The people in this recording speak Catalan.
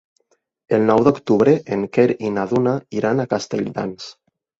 El nou d'octubre en Quer i na Duna iran a Castelldans.